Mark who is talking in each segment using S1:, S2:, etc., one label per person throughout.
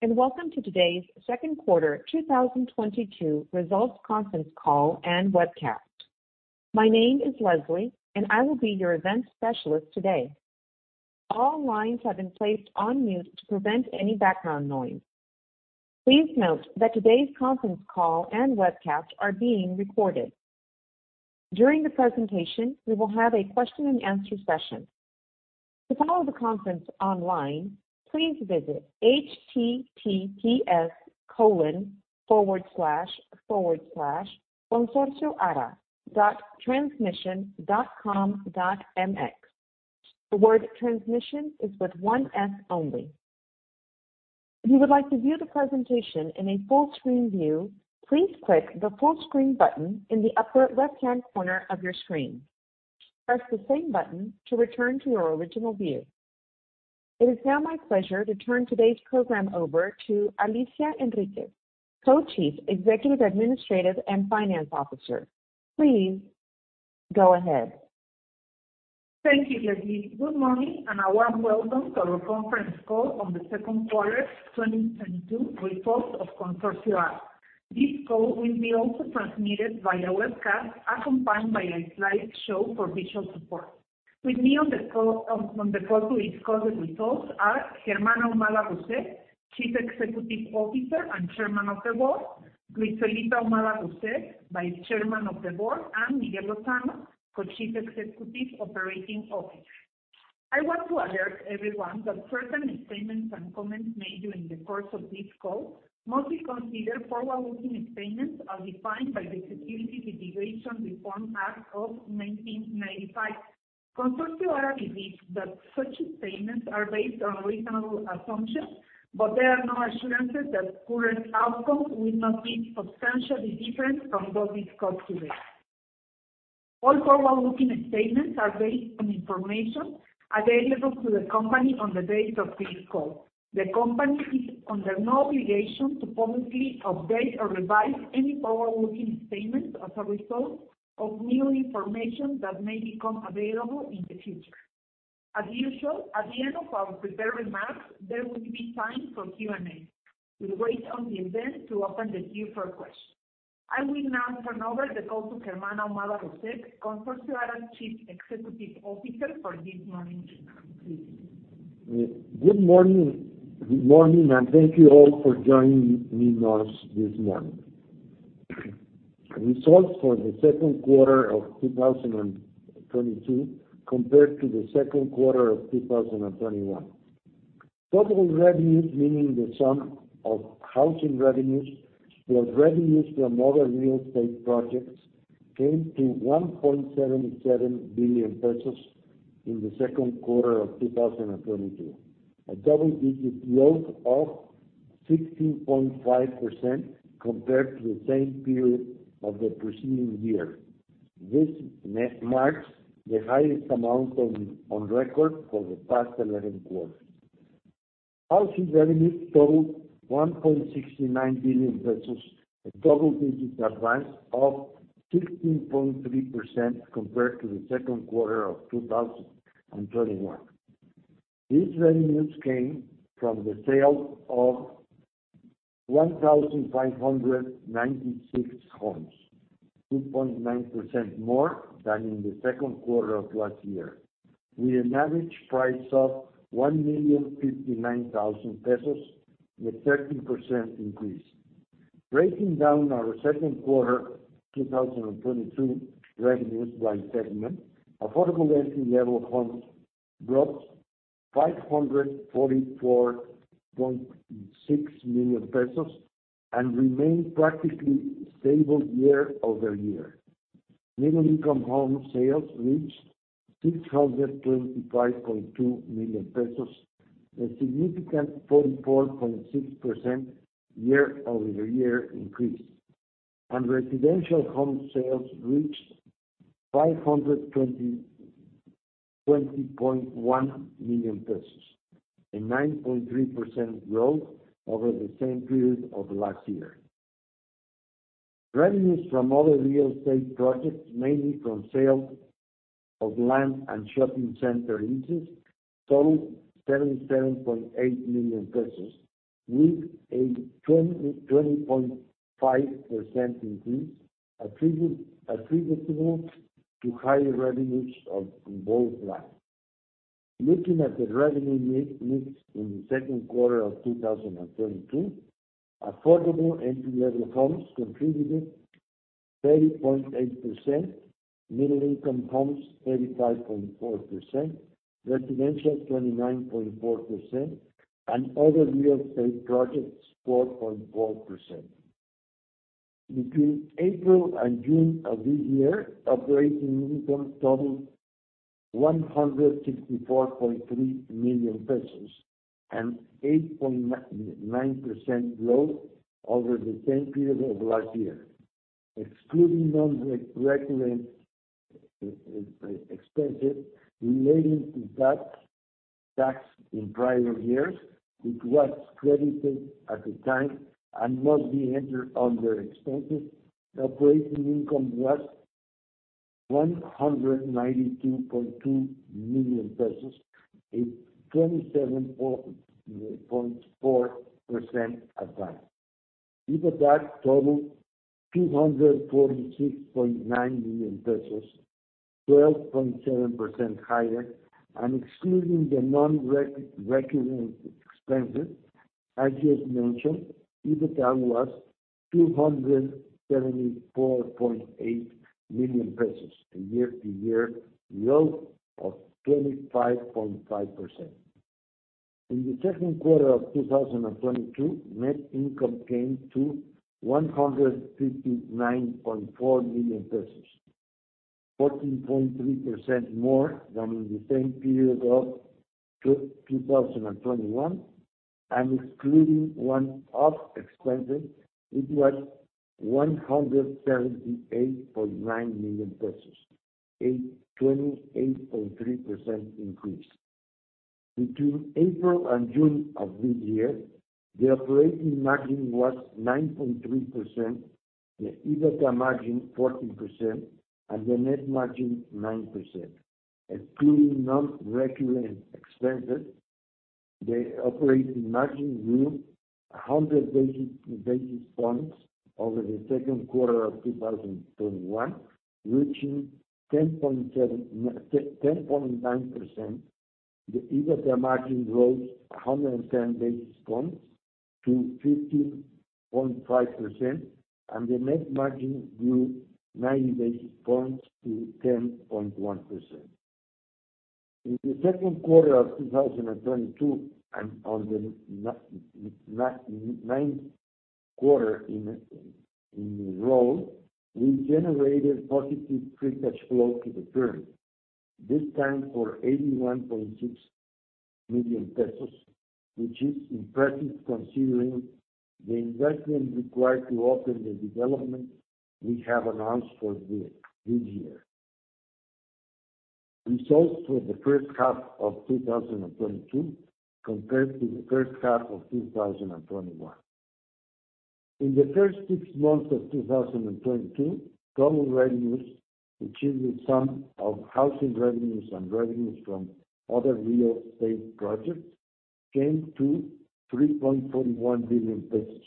S1: Hello, and welcome to today's second quarter 2022 results conference call and webcast. My name is Leslie, and I will be your event specialist today. All lines have been placed on mute to prevent any background noise. Please note that today's conference call and webcast are being recorded. During the presentation, we will have a question-and-answer session. To follow the conference online, please visit https://consorcioara.transmision.com.mx. The word transmission is with one S only. If you would like to view the presentation in a full-screen view, please click the full screen button in the upper left-hand corner of your screen. Press the same button to return to your original view. It is now my pleasure to turn today's program over to Alicia Enriquez, Co-Chief Executive Administrative and Finance Officer. Please go ahead.
S2: Thank you, Leslie. Good morning, and a warm welcome to our conference call on the second quarter 2022 results of Consorcio Ara. This call will be also transmitted via webcast, accompanied by a slide show for visual support. With me on the call to discuss the results are Germán Ahumada Russek, Chief Executive Officer and Chairman of the Board, Griselda Ahumada Russek, Vice Chairman of the Board, and Miguel Lozano, Co-Chief Executive Operating Officer. I want to alert everyone that certain statements and comments made during the course of this call must be considered forward-looking statements as defined by the Securities Litigation Reform Act of 1995. Consorcio Ara believes that such statements are based on reasonable assumptions, but there are no assurances that current outcomes will not be substantially different from those discussed today. All forward-looking statements are based on information available to the company on the date of this call. The company is under no obligation to publicly update or revise any forward-looking statements as a result of new information that may become available in the future. As usual, at the end of our prepared remarks, there will be time for Q&A. We'll wait on the event to open the queue for questions. I will now turn over the call to Germán Ahumada Russek, Consorcio Ara Chief Executive Officer, for this morning's remarks. Please.
S3: Good morning, and thank you all for joining me this morning. Results for the second quarter of 2022 compared to the second quarter of 2021. Total revenues, meaning the sum of housing revenues plus revenues from other real estate projects, came to 1.77 billion pesos in the second quarter of 2022, a double-digit growth of 16.5% compared to the same period of the preceding year. This marks the highest amount on record for the past 11 quarters. Housing revenues totaled 1.69 billion pesos, a double-digit advance of 16.3% compared to the second quarter of 2021. These revenues came from the sale of 1,596 homes, 2.9% more than in the second quarter of last year, with an average price of 1,059,000 pesos, a 13% increase. Breaking down our second quarter 2022 revenues by segment, Affordable Entry-Level homes brought MXN 544.6 million and remained practically stable year-over-year. Middle-Income home sales reached 625.2 million pesos, a significant 44.6% year-over-year increase. Residential home sales reached 520.1 million pesos, a 9.3% growth over the same period of last year. Revenues from other real estate projects, mainly from sale of land and shopping center leases totaled MXN 77.8 million with a 20.5% increase attributable to higher revenues of both land. Looking at the revenue mix in the second quarter of 2022, Affordable Entry-Level homes contributed 30.8%, Middle-Income homes 35.4%, Residential 29.4%, and other real estate projects 4.4%. Between April and June of this year, operating income totaled MXN 164.3 million, an 8.9% growth over the same period of last year. Excluding non-recurring expenses relating to tax in prior years, which was credited at the time and not being entered under expenses, operating income was 192.2 million pesos, a 27.4% advance. EBITDA totaled MXN 246.9 million, 12.7% higher. Excluding the nonrecurrent expenses I just mentioned, EBITDA was 274.8 million pesos, a year-to-year growth of 25.5%. In the second quarter of 2022, net income came to 159.4 million pesos, 14.3% more than in the same period of 2021. Excluding one-off expenses, it was 138.9 million pesos, a 28.3% increase. Between April and June of this year, the operating margin was 9.3%, the EBITDA margin 14%, and the net margin 9%. Excluding nonrecurrent expenses, the operating margin grew 100 basis points over the second quarter of 2021, reaching 10.9%. The EBITDA margin rose 110 basis points to 15.5%, and the net margin grew 90 basis points to 10.1%. In the second quarter of 2022, and on the ninth quarter in a row, we generated positive free cash flow to the firm, this time for 81.6 million pesos, which is impressive considering the investment required to open the development we have announced for this year. Results for the first half of 2022 compared to the first half of 2021. In the first six months of 2022, total revenues, which is the sum of housing revenues and revenues from other real estate projects, came to 3.41 billion pesos,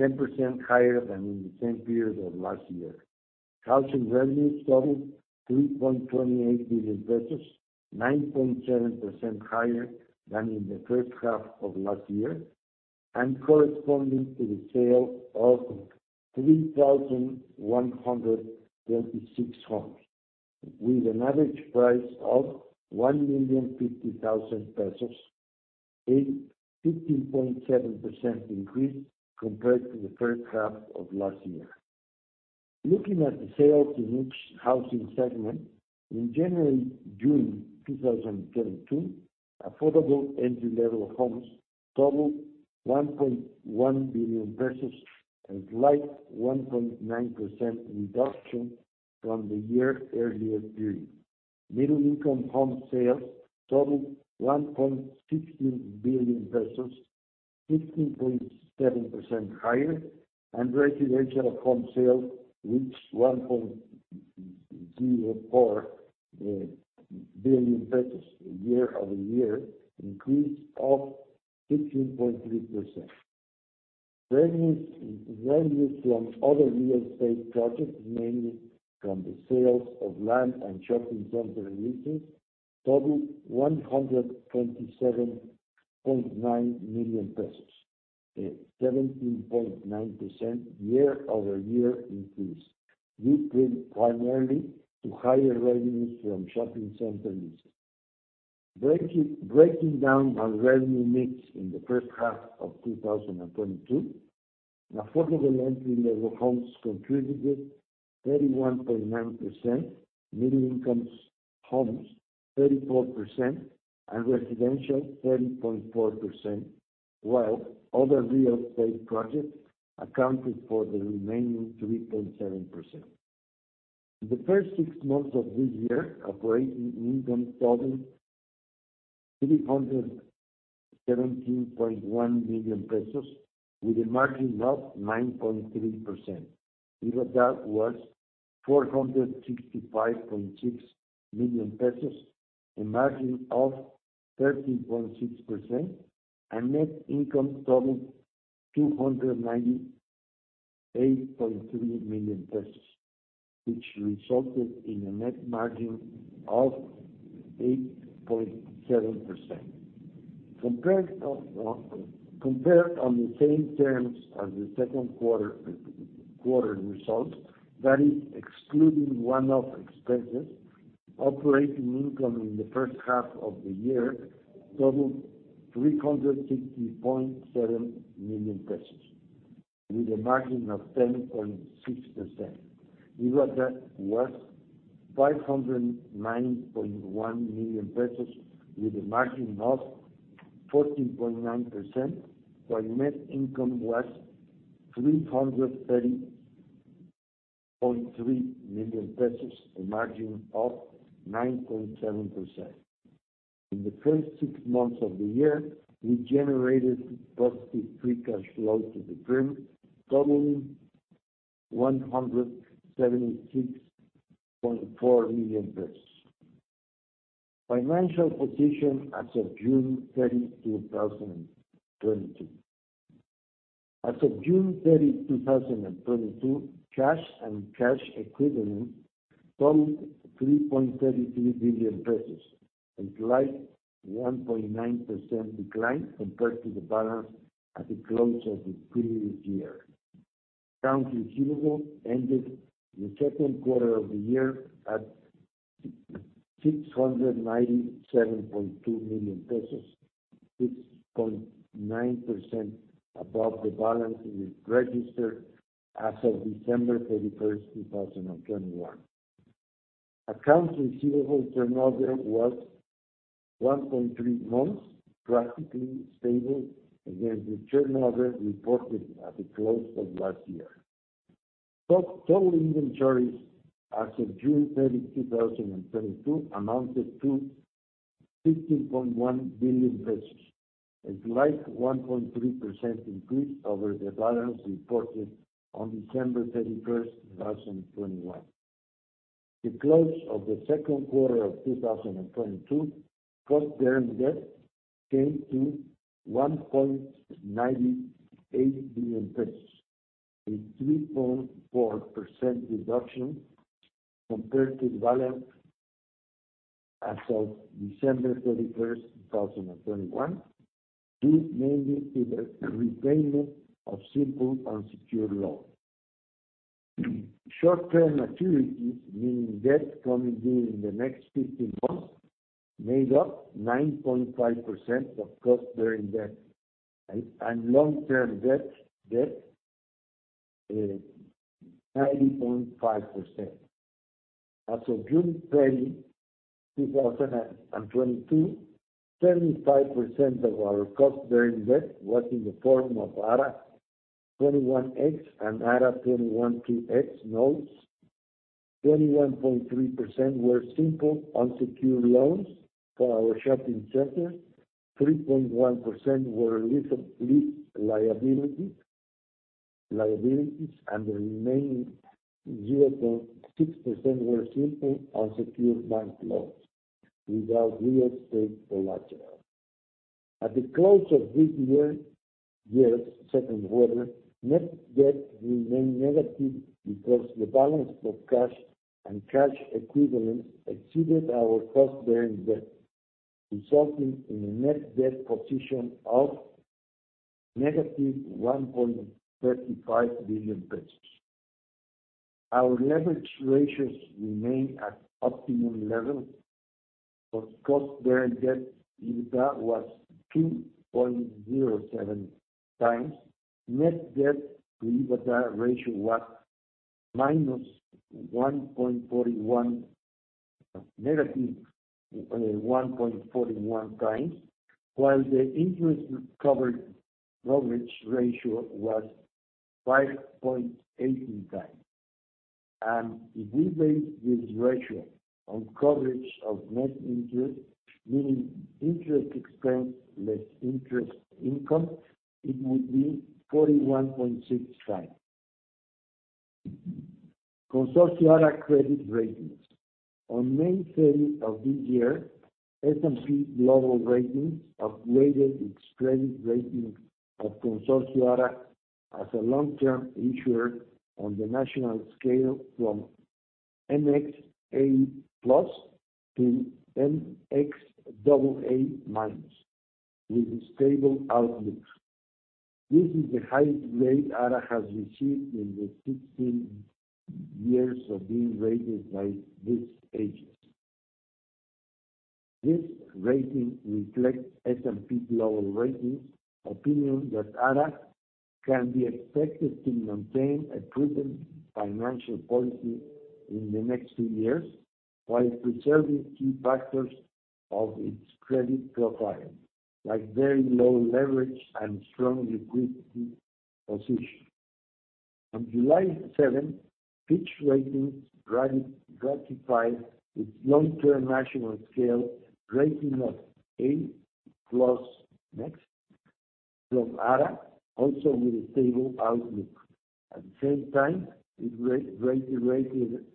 S3: 10% higher than in the same period of last year. Housing revenues totaled 3.28 billion pesos, 9.7% higher than in the first half of last year, and corresponding to the sale of 3,136 homes with an average price of 1,050,000 pesos, a 15.7% increase compared to the first half of last year. Looking at the sales in each housing segment, in January-June 2022, Affordable Entry-Level homes totaled MXN 1.1 billion, a slight 1.9% reduction from the year earlier period. Middle-Income home sales totaled 1.60 billion pesos, 15.7% higher. Residential home sales reached 1.04 billion pesos, a year-over-year increase of 16.3%. Revenues from other real estate projects, mainly from the sales of land and shopping center leases, totaled 127.9 million pesos, a 17.9% year-over-year increase due primarily to higher revenues from shopping center leases. Breaking down our revenue mix in the first half of 2022, Affordable Entry-Level homes contributed 31.9%, Middle-Income homes 34%, and Residential 30.4%, while other real estate projects accounted for the remaining 3.7%. In the first six months of this year, operating income totaled 317.1 million pesos with a margin of 9.3%. EBITDA was 465.6 million pesos, a margin of 13.6%. Net income totaled MXN 298.3 million, which resulted in a net margin of 8.7%. Compared on the same terms as the second quarter results, that is excluding one-off expenses, operating income in the first half of the year totaled 360.7 million pesos with a margin of 10.6%. EBITDA was MXN 509.1 million with a margin of 14.9%, while net income was 330.3 million pesos, a margin of 9.7%. In the first six months of the year, we generated positive free cash flow to the group totaling MXN 176.4 million. Financial position as of June 30, 2022. As of June 30, 2022, cash and cash equivalents totaled MXN 3.33 billion, a slight 1.9% decline compared to the balance at the close of the previous year. Accounts receivable ended the second quarter of the year at 697.2 million pesos, 6.9% above the balance it registered as of December 31, 2021. Accounts receivable turnover was 1.3 months, practically stable against the turnover reported at the close of last year. Total inventories as of June 30, 2022 amounted to 15.1 billion pesos, a slight 1.3% increase over the balance reported on December 31, 2021. At the close of the second quarter of 2022, interest-bearing debt came to 1.98 billion pesos, a 3.4% reduction compared to the balance as of December 31, 2021. This mainly is a repayment of simple unsecured loans. Short-term maturities, meaning debt coming due in the next 15 months, made up 9.5% of interest-bearing debt and long-term debt 90.5%. As of June 30, 2022, 35% of our interest-bearing debt was in the form of ARA21X and ARA212X notes. 21.3% were simple unsecured loans for our shopping centers. 3.1% were lease liabilities. The remaining 0.6% were simple unsecured bank loans without real estate collateral. At the close of this year's second quarter, net debt remained negative because the balance of cash and cash equivalents exceeded our cost-bearing debt, resulting in a net debt position of negative 1.35 billion pesos. Our leverage ratios remain at optimum levels. Our cost-bearing debt EBITDA was 2.07 times. Net debt to EBITDA ratio was negative 1.41 times. While the interest coverage ratio was 5.18 times. If we base this ratio on coverage of net interest, meaning interest expense less interest income, it would be 41.6 times. Consorcio Ara credit ratings. On May 30 of this year, S&P Global Ratings upgraded its credit rating of Consorcio Ara as a long-term issuer on the national scale from mxA+ to mxAA- with a stable outlook. This is the highest grade ARA has received in the 16 years of being rated by this agency. This rating reflects S&P Global Ratings' opinion that ARA can be expected to maintain a prudent financial policy in the next 2 years while preserving key factors of its credit profile, like very low leverage and strong liquidity position. On July 7, Fitch Ratings affirmed its long-term national scale rating of A+(mex) for ARA, also with a stable outlook. At the same time, it rated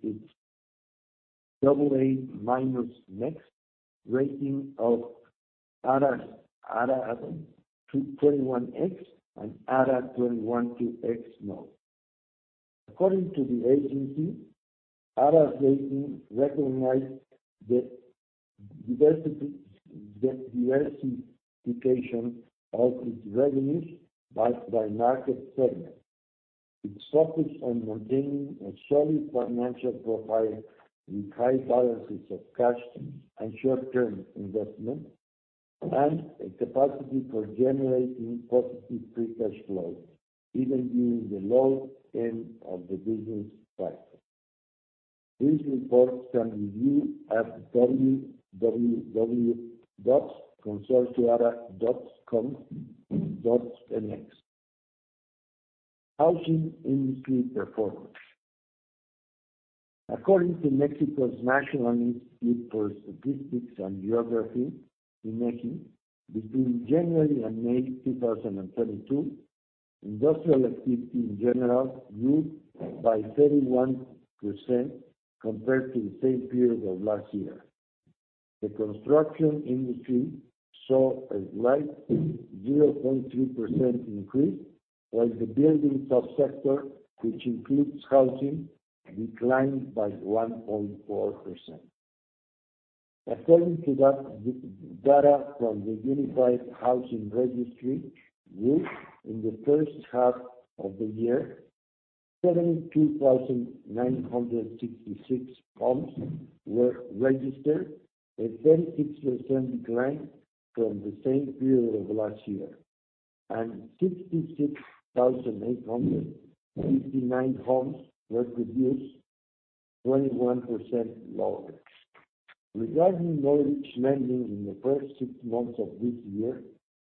S3: its AA-(mex) rating of ARA's ARA 21X and ARA 21-2X notes. According to the agency, ARA's rating recognizes the diversification of its revenues by market segment. It's focused on maintaining a solid financial profile with high balances of cash and short-term investment and a capacity for generating positive free cash flow even during the low end of the business cycle. These reports can be viewed at www.consorciara.com.mx. Housing industry performance. According to Mexico's National Institute for Statistics and Geography, INEGI, between January and May 2022, industrial activity in general grew by 31% compared to the same period of last year. The construction industry saw a slight 0.3% increase, while the building subsector, which includes housing, declined by 1.4%. According to the data from the Unified Housing Registry, RUV, in the first half of the year, 72,966 homes were registered, a 36% decline from the same period of last year, and 66,859 homes were produced, 21% lower. Regarding mortgage lending in the first six months of this year,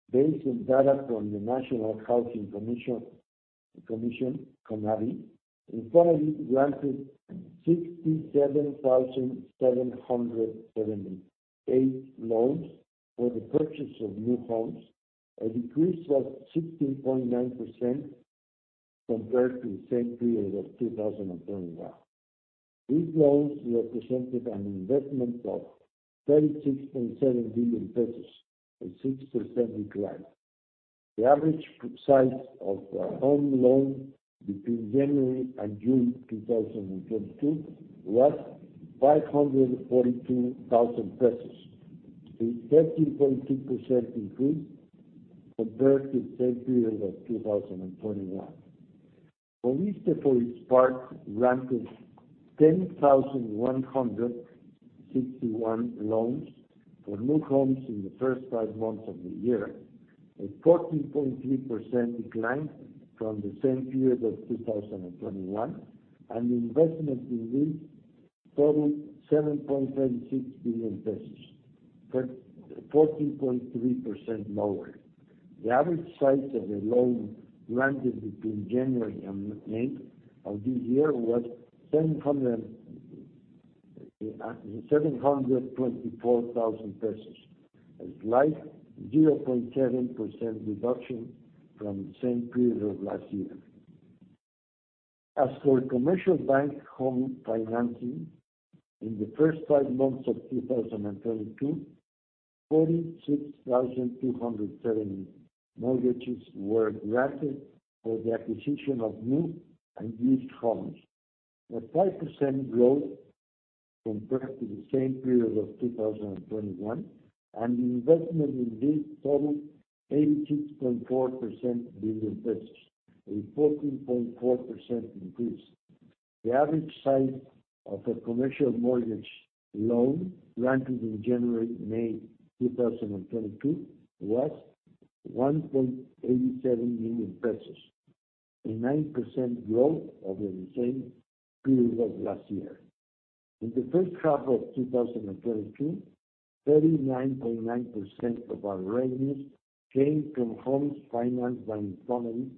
S3: based on data from the National Housing Commission, CONAVI, INFONAVIT granted 67,778 loans for the purchase of new homes, a decrease of 16.9% compared to the same period of 2021. These loans represented an investment of 36.7 billion pesos, a 6% decline. The average size of a home loan between January and June 2022 was MXN 542,000, a 13.2% increase compared to the same period of 2021. FOVISSSTE, for its part, granted 10,161 loans for new homes in the first five months of the year, a 14.3% decline from the same period of 2021. The investment in these totaled MXN 7.36 billion, 14.3% lower. The average size of the loan granted between January and May of this year was 724,000 pesos, a slight 0.7% reduction from the same period of last year. As for commercial bank home financing, in the first five months of 2022, 46,270 mortgages were granted for the acquisition of new and used homes, a 5% growth compared to the same period of 2021. The investment in these totaled 86.4 billion, a 14.4% increase. The average size of a commercial mortgage loan granted in January to May 2022 was 1.87 million pesos, a 9% growth over the same period of last year. In the first half of 2022, 39.9% of our revenues came from homes financed by INFONAVIT,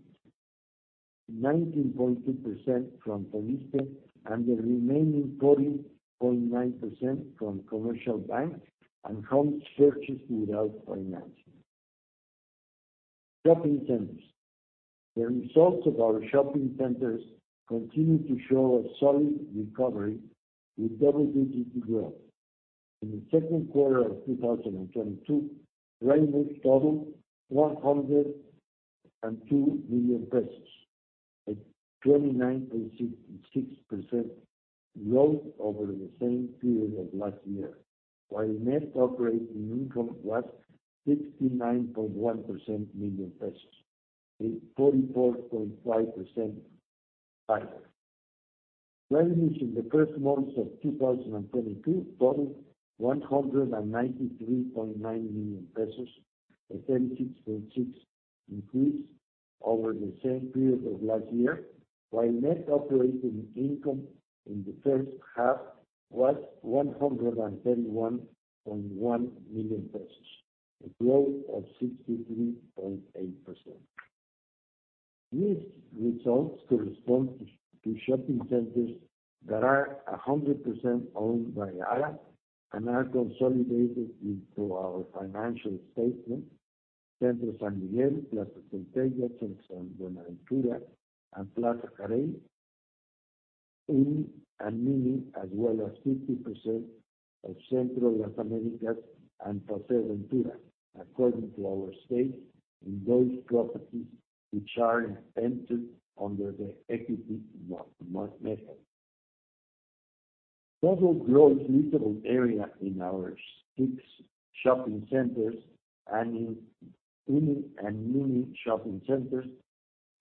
S3: 19.2% from FOVISSSTE, and the remaining 14.9% from commercial banks and home purchases without financing. Shopping centers. The results of our shopping centers continue to show a solid recovery with double-digit growth. In the second quarter of 2022, revenues totaled MXN 102 million, a 29.66% growth over the same period of last year, while net operating income was 69.1 million pesos, a 44.5% higher. Revenues in the first six months of 2022 totaled 193.9 million pesos, a 36.6% increase over the same period of last year, while net operating income in the first half was 131.1 million pesos, a growth of 63.8%. These results correspond to shopping centers that are 100% owned by ARA and are consolidated into our financial statements. Centro San Miguel, Plaza Centella, Centro San Buenaventura, and Plaza Carey, uni, and mini, as well as 50% of Centro Las Américas and Paseo Ventura, according to our stake in those properties, which are entered under the equity method. Total gross leasable area in our six shopping centers and in uni and mini shopping centers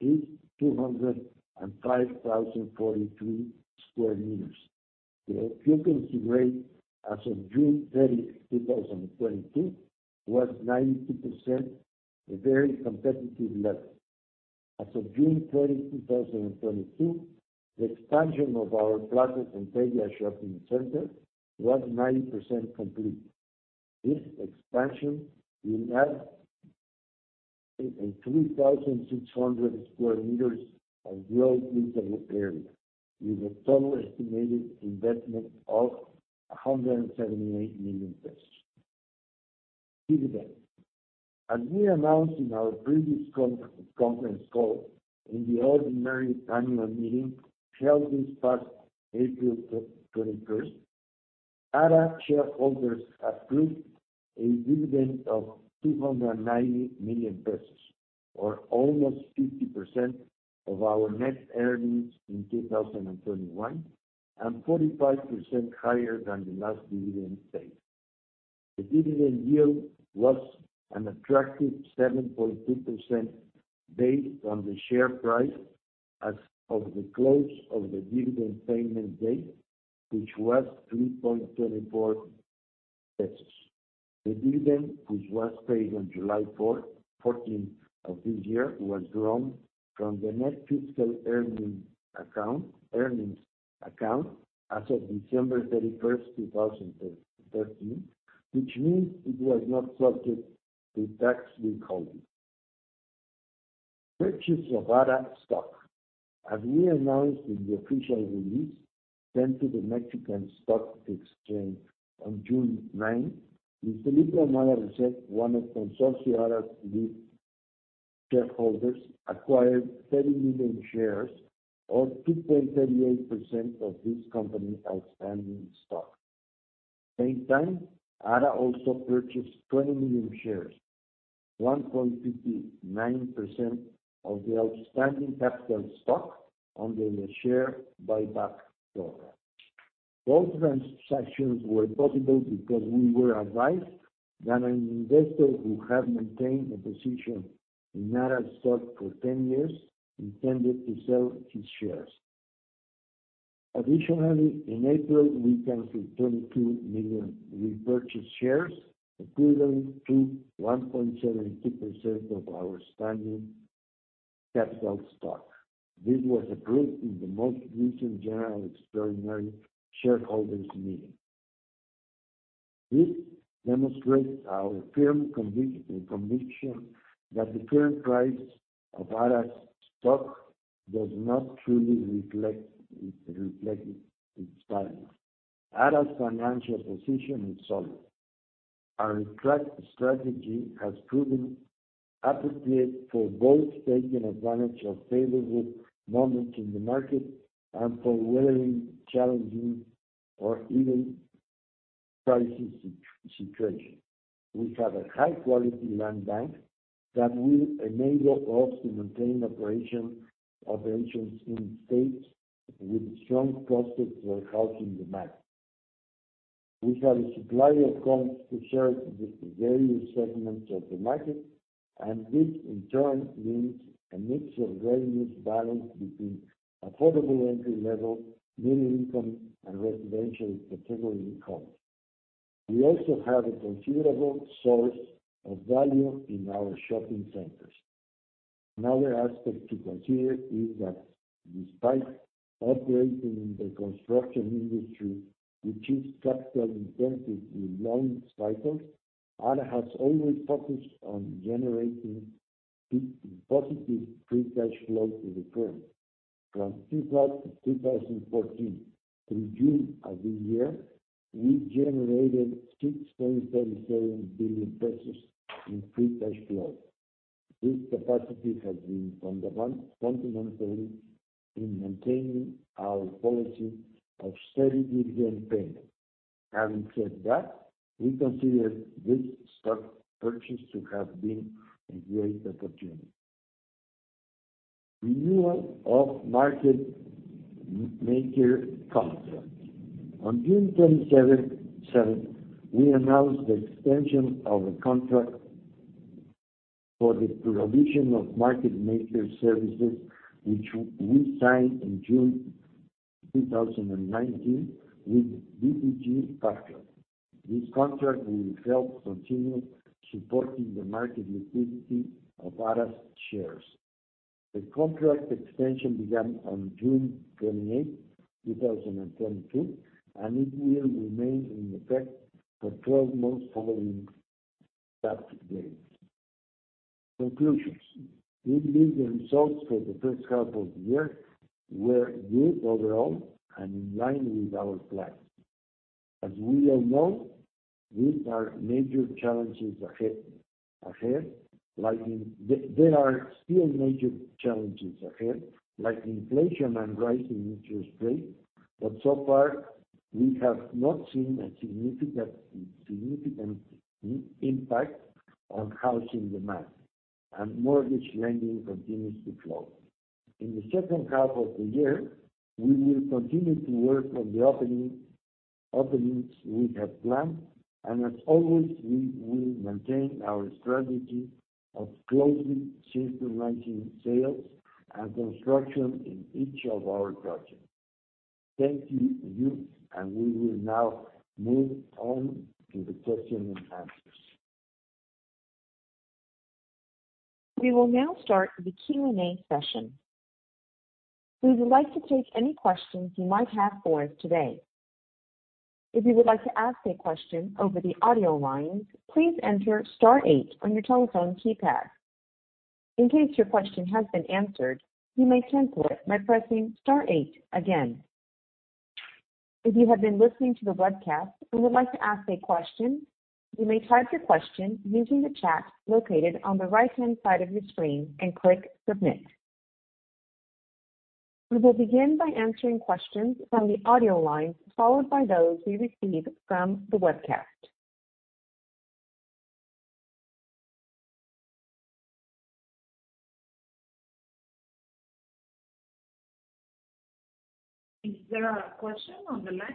S3: is 205,043 square meters. The occupancy rate as of June 30, 2022 was 92%, a very competitive level. As of June 30, 2022, the expansion of our Plaza Centella shopping center was 90% complete. This expansion will add 3,600 square meters of built leasable area with a total estimated investment of 178 million pesos. As we announced in our previous conference call, in the ordinary annual meeting held this past April 21, Ara shareholders approved a dividend of 290 million pesos, or almost 50% of our net earnings in 2021, and 45% higher than the last dividend paid. The dividend yield was an attractive 7.2% based on the share price as of the close of the dividend payment date, which was 3.24 pesos. The dividend, which was paid on July 14 of this year, was drawn from the net fiscal earnings account as of December 31, 2013, which means it was not subject to tax withholding. Purchase of Ara stock. As we announced in the official release sent to the Mexican Stock Exchange on June 9, Luis Felipe Ahumada Russek, one of Consorcio Ara's lead shareholders, acquired 30 million shares or 2.38% of the company's outstanding stock. Same time, Ara also purchased 20 million shares, 1.59% of the outstanding capital stock under the share buyback program. Both transactions were possible because we were advised that an investor who had maintained a position in Ara stock for 10 years intended to sell his shares. Additionally, in April, we canceled 22 million repurchased shares, equivalent to 1.72% of our outstanding capital stock. This was approved in the most recent general extraordinary shareholders meeting. This demonstrates our firm conviction that the current price of Ara's stock does not truly reflect its value. Ara's financial position is solid. Our strategy has proven appropriate for both taking advantage of favorable moments in the market and for weathering challenging or even crisis situations. We have a high-quality land bank that will enable us to maintain operations in states with strong prospects for housing demand. We have a supply of homes to serve the various segments of the market, and this in turn means a mix of revenues balanced between Affordable Entry-Level, Middle-Income, and Residential category homes. We also have a considerable source of value in our shopping centers. Another aspect to consider is that despite operating in the construction industry, which is capital-intensive with long cycles, Ara has always focused on generating positive Free Cash Flow to the Firm. From 2014 through June of this year, we generated 6.37 billion pesos in Free Cash Flow. This capacity has been fundamental in maintaining our policy of steady dividend payments. Having said that, we consider this stock purchase to have been a great opportunity. Renewal of market maker contract. On June 27th, we announced the extension of a contract for the provision of market maker services, which we signed in June 2019 with BBG Patra. This contract will help continue supporting the market liquidity of Ara's shares. The contract extension began on June 28th, 2022, and it will remain in effect for 12 months following that date. Conclusions. With these results for the first half of the year were good overall and in line with our plans. There are still major challenges ahead, like inflation and rising interest rates, but so far we have not seen a significant impact on housing demand, and mortgage lending continues to flow. In the second half of the year, we will continue to work on the openings we have planned, and as always, we will maintain our strategy of closely synchronizing sales and construction in each of our projects. Thank you, and we will now move on to the question and answers.
S1: We will now start the Q&A session. We would like to take any questions you might have for us today. If you would like to ask a question over the audio lines, please enter star eight on your telephone keypad. In case your question has been answered, you may cancel it by pressing star eight again. If you have been listening to the webcast and would like to ask a question, you may type your question using the chat located on the right-hand side of your screen and click Submit. We will begin by answering questions from the audio line, followed by those we receive from the webcast.
S2: Is there a question on the line?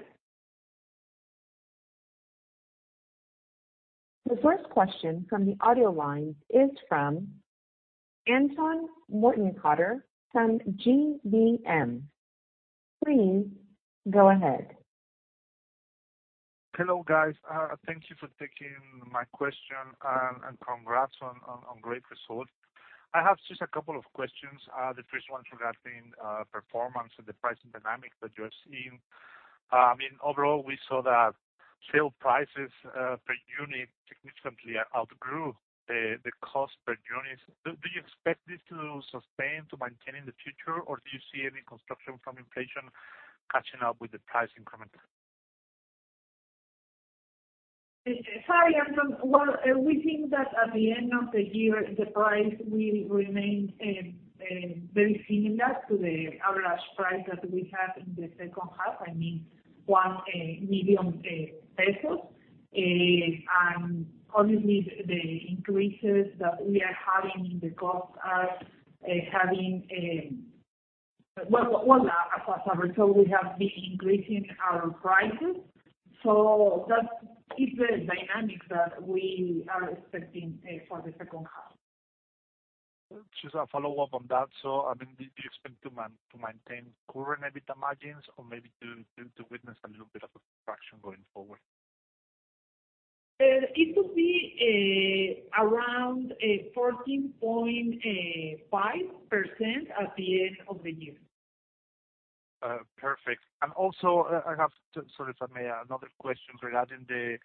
S1: The first question from the audio line is from Antonio Hernández-Cotter from GBM. Please go ahead.
S4: Hello, guys. Thank you for taking my question and congrats on great results. I have just a couple of questions. The first one regarding performance and the pricing dynamics that you're seeing. I mean, overall, we saw that sale prices per unit significantly outgrew the cost per units. Do you expect this to sustain, to maintain in the future, or do you see any construction from inflation catching up with the price increments?
S2: Hi, Antonio Hernández-Cotter. Well, we think that at the end of the year, the price will remain very similar to the average price that we have in the second half. I mean, 1 million pesos. Obviously the increases that we are having in the costs are having. Well, as a result, we have been increasing our prices. That is the dynamics that we are expecting for the second half.
S4: Just a follow-up on that. I mean, do you expect to maintain current EBITDA margins or maybe to witness a little bit of a contraction going forward?
S2: It will be around 14.5% at the end of the year.
S4: Perfect. Also, sorry, if I may, another question regarding the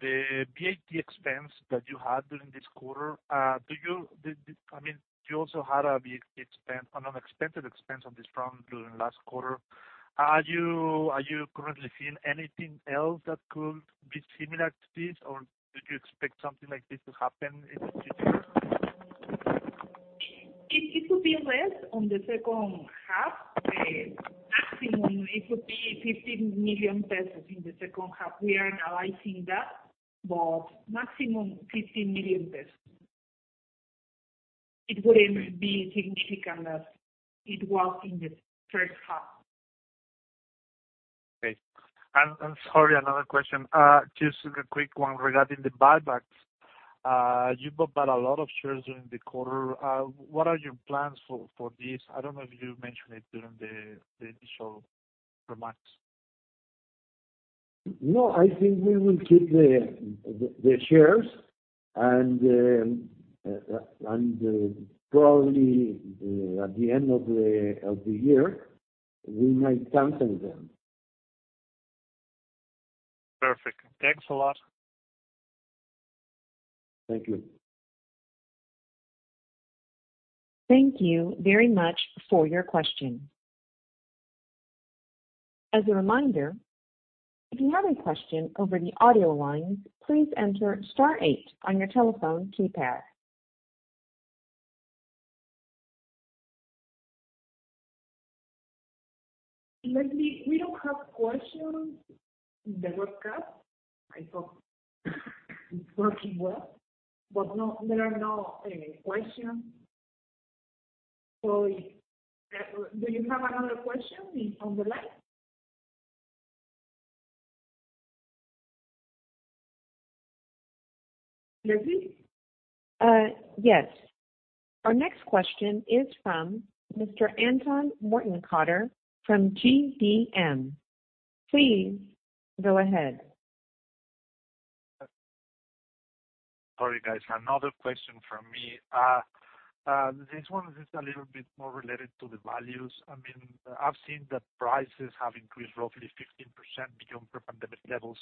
S4: VAT expense that you had during this quarter. I mean, you also had a big expense, an unexpected expense on this front during last quarter. Are you currently seeing anything else that could be similar to this, or do you expect something like this to happen in the future?
S2: It will be less on the second half. Maximum it would be 50 million pesos in the second half. We are analyzing that, but maximum 50 million pesos. It wouldn't be significant as it was in the first half.
S4: Okay. Sorry, another question. Just a quick one regarding the buybacks. You bought back a lot of shares during the quarter. What are your plans for this? I don't know if you mentioned it during the initial remarks.
S3: No, I think we will keep the shares and probably at the end of the year, we might cancel them.
S4: Perfect. Thanks a lot.
S3: Thank you.
S1: Thank you very much for your question. As a reminder, if you have a question over the audio lines, please enter star eight on your telephone keypad.
S2: Leslie, we don't have questions in the webcast. I thought it's working well, but no, there are no questions. Do you have another question on the line? Leslie?
S1: Yes. Our next question is from Mr. Antonio Hernández-Cotter from GBM. Please go ahead.
S4: Sorry, guys. Another question from me. This one is just a little bit more related to the values. I mean, I've seen that prices have increased roughly 15% beyond pre-pandemic levels,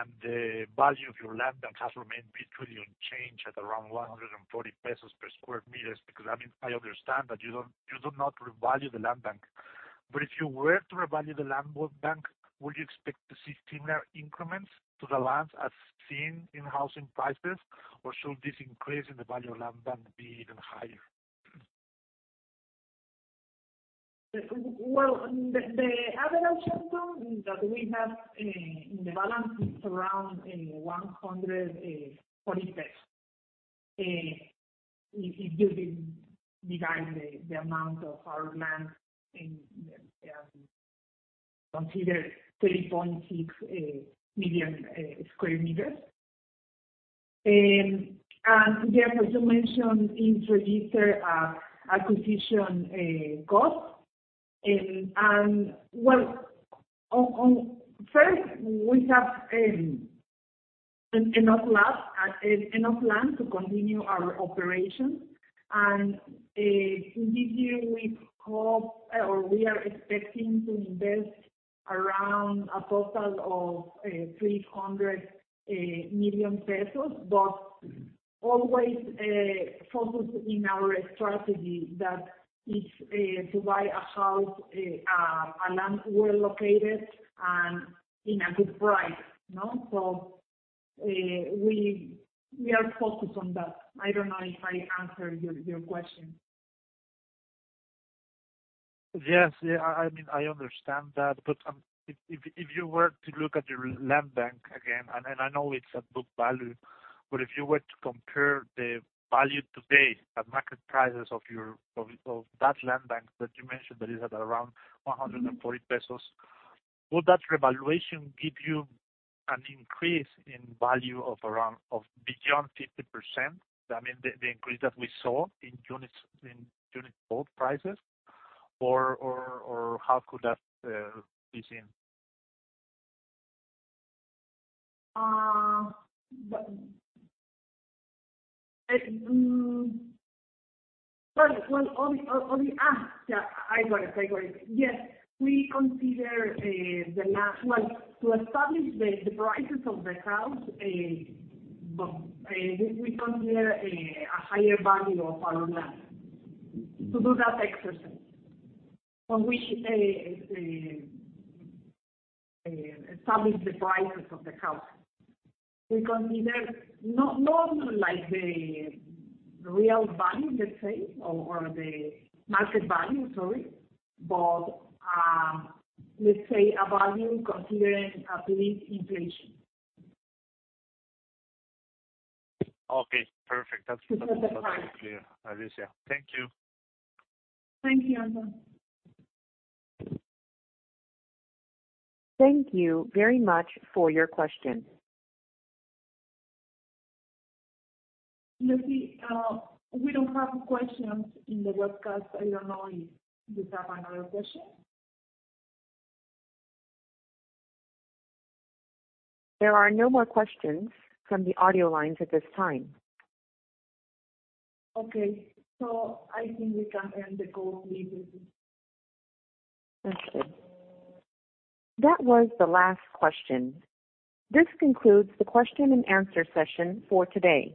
S4: and the value of your land bank has remained pretty much unchanged at around 140 pesos per square meter. Because, I mean, I understand that you don't, you do not revalue the land bank. If you were to revalue the land bank, would you expect to see similar increments to the lands as seen in housing prices? Or should this increase in the value of land bank be even higher?
S2: Well, the average sale that we have in the balance is around 140 pesos. If you divide the amount of our land and consider 3.6 million square meters. Therefore, to mention registered acquisition cost. First, we have enough land to continue our operations. This year we hope or we are expecting to invest around a total of 300 million pesos, but always focused in our strategy that is to buy a land well located and in a good price. No? We are focused on that. I don't know if I answered your question.
S4: Yes. Yeah, I mean, I understand that. If you were to look at your land bank again, and I know it's at book value. If you were to compare the value today, the market prices of that land bank that you mentioned that is at around 140 pesos. Would that revaluation give you an increase in value of around or beyond 50%? I mean, the increase that we saw in units, in unit sold prices or how could that be seen?
S2: Yeah, I got it. Yes, we consider a higher value of our land to do that exercise. When we establish the prices of the house, we consider not like the real value, let's say, or the market value, sorry, but let's say a value considering at least inflation.
S4: Okay, perfect. That's clear, Alicia. Thank you.
S2: Thank you, Antonio.
S1: Thank you very much for your question.
S2: Leslie, we don't have questions in the webcast. I don't know if you have another question.
S1: There are no more questions from the audio lines at this time.
S2: Okay. I think we can end the call please, Leslie.
S1: Okay. That was the last question. This concludes the question and answer session for today.